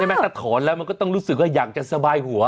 ถ้าถอนแล้วมันก็ต้องรู้สึกว่าอยากจะสบายหัว